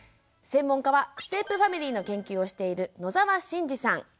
専門家はステップファミリーの研究をしている野沢慎司さん。